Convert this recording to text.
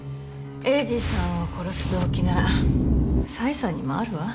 栄治さんを殺す動機なら紗英さんにもあるわ。